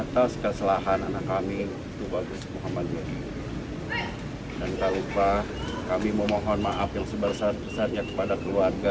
terima kasih pak